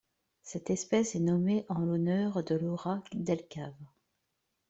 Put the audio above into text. Cette espèce est nommée en l'honneur de Laura Delle Cave.